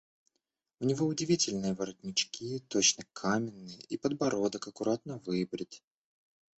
У него удивительные воротнички, точно каменные, и подбородок аккуратно выбрит.